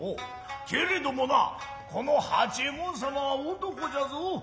けれどもなこの八右衛門様は男じゃぞ。